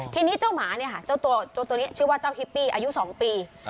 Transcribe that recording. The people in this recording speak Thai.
ทีนี้เจ้าหมาเนี่ยค่ะเจ้าตัวนี้ชื่อว่าเจ้าฮิปปี้อายุ๒ปี